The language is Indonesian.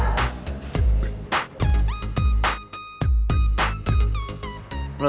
lo tuh emang brilliant banget doh